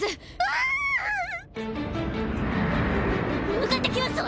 向かってきますわ！